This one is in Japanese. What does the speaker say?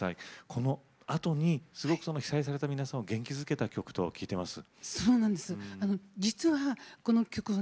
このあとに被災された方々を元気づけた曲と聴いています。